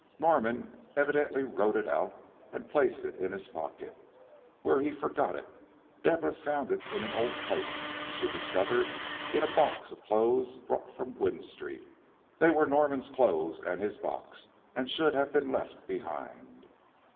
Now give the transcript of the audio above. "Norman evidently wrote it out, and placed it in his pocket, where he forgot it. Deborah found it in an old coat, she discovered in a box of clothes brought from Gwynne Street. They were Norman's clothes and his box, and should have been left behind."